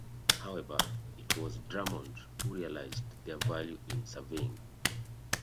However, it was Drummond who realised their value in surveying.